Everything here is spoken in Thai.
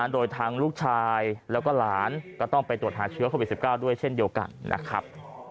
โดยทางลูกชายแล้วก็หลานก็ต้องไปตรวจหาเชื้อโควิด๑๙ด้วยเช่นเดียวกันนะครับ